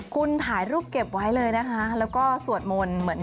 คุณถ่ายรูปเก็บไว้เลยนะคะแล้วก็สวดมนต์เหมือน